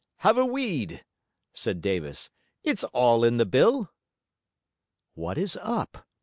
'Have a weed,' said Davis. 'It's all in the bill.' 'What is up?'